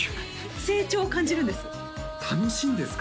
成長を感じるんです楽しいんですか？